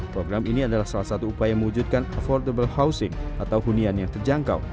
program ini adalah salah satu upaya mewujudkan affordable housing atau hunian yang terjangkau